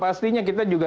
pastinya kita juga